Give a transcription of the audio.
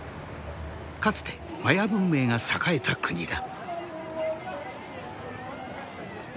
かつてマヤ文明が栄えた国だ。